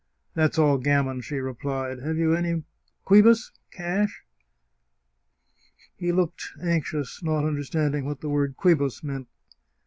" That's all gammon !" she replied. " Have you any quibus (cash) ?" He looked anxious, not understanding what the word quibus meant.